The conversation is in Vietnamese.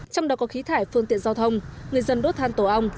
trong đó có khí thải phương tiện giao thông người dân đốt than tổ ong